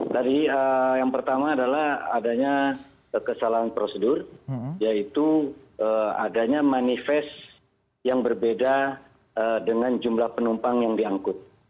tadi yang pertama adalah adanya kesalahan prosedur yaitu adanya manifest yang berbeda dengan jumlah penumpang yang diangkut